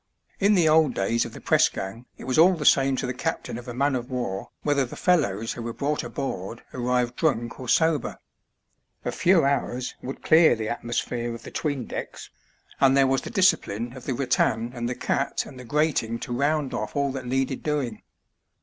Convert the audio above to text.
In the old days of the press gang it was all the same to the captain of a man of war whether the fellows who were brought aboard arrived drunk or sober. A few hours would clear the atmospheio of the *tweendecks, and there was the discipline of the rattan and the cat and the grating to round oif all that needed doing.